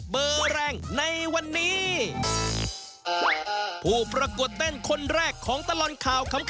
เบอร์แรงในวันนี้ผู้ประกวดเต้นคนแรกของตลอดข่าวขำ